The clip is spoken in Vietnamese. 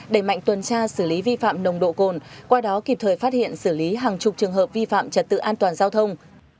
đẩy mạnh tuần tra xử lý vi phạm nồng độ cồn qua đó kịp thời phát hiện xử lý hàng chục trường hợp vi phạm trật tự an toàn giao thông